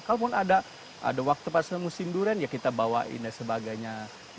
kalaupun ada waktu pas musim durian ya kita bawain dan sebagainya